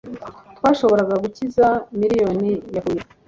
twashobora gukiza miliyoni yapfuye